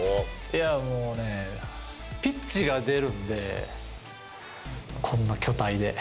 もうね、ピッチが出るんで、こんな巨体で。